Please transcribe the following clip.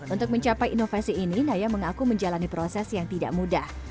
untuk mencapai inovasi ini naya mengaku menjalani proses yang tidak mudah